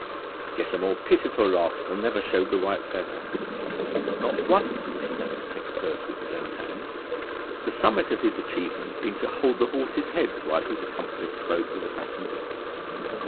Yet a more pitiful rascal never showed the white feather. Not once was he known to take a purse with his own hand, the summit of his achievement being to hold the horses' heads while his accomplice spoke with the passengers.